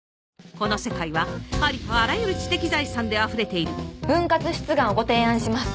この世界はありとあらゆる知的財産であふれている分割出願をご提案します。